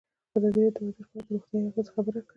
ازادي راډیو د ورزش په اړه د روغتیایي اغېزو خبره کړې.